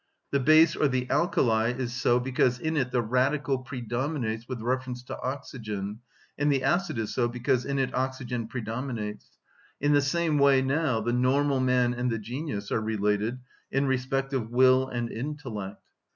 The base or the alkali is so because in it the radical predominates with reference to oxygen, and the acid is so because in it oxygen predominates. In the same way now the normal man and the genius are related in respect of will and intellect.